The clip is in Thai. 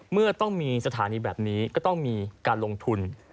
เมื่อต้องมีสถานีแบบนี้ก็ต้องมีการลงทุน